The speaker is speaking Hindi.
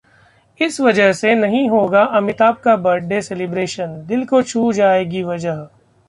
इस वजह से नहीं होगा अमिताभ का बर्थडे सेलिब्रेशन, दिल को छू जाएगी वजह